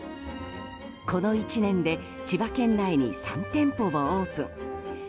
この１年で千葉県内に３店舗をオープン。